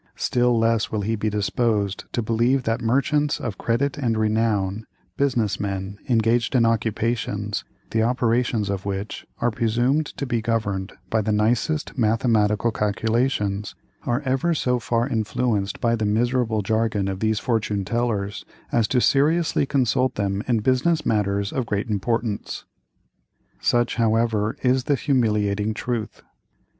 Still less will he be disposed to believe that merchants of "credit and renown;" business men, engaged in occupations, the operations of which are presumed to be governed by the nicest mathematical calculations, are ever so far influenced by the miserable jargon of these "fortune tellers," as to seriously consult them in business matters of great importance. Such, however, is the humiliating truth.